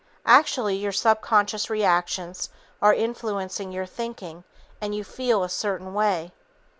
Actually, your subconscious reactions are influencing your thinking and you "feel" a certain way.